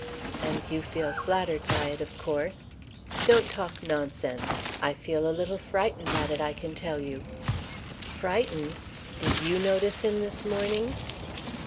"And you feel flattered by it, of course?" "Don't talk nonsense. I feel a little frightened at it, I can tell you." "Frightened? Did you notice him this morning?"